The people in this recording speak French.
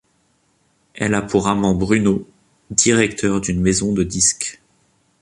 Elle a pour amant Bruno, directeur d'une maison de disques.